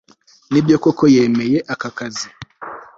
Nibyo koko yemeye aka kazi